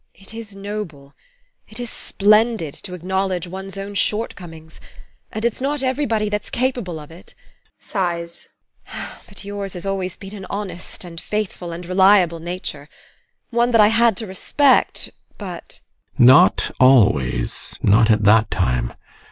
TEKLA. It is noble, it is splendid, to acknowledge one's own shortcomings and it's not everybody that's capable of it. But yours has always been an honest, and faithful, and reliable nature one that I had to respect but GUSTAV. Not always not at that time!